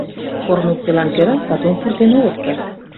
Корно укелан кӧра сатум пуртен огыт керт.